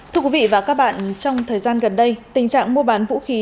thưa quý vị và các bạn trong thời gian gần đây tình trạng mua bán vũ khí